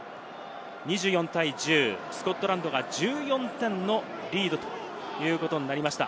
２４対１０、スコットランドが１４点のリードということになりました。